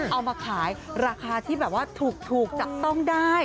เอามาขายราคาที่แบบว่าถูกจับต้องได้